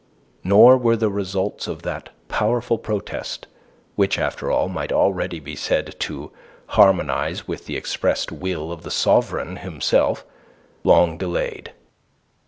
Nor were the results of that powerful protest which, after all, might already be said to harmonize with the expressed will of the sovereign himself long delayed.